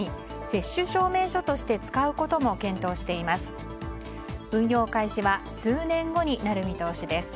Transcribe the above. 接種証明書として使うことも検討しています。